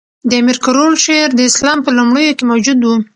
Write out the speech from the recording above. د امیر کروړ شعر د اسلام په لومړیو کښي موجود وو.